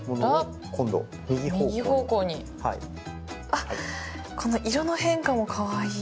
あっこの色の変化もカワイイ。